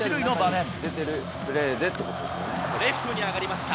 レフトに上がりました。